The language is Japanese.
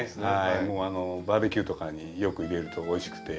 もうバーベキューとかによく入れるとおいしくて。